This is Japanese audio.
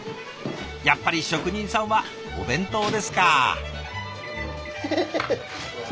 やっぱり職人さんはお弁当ですか。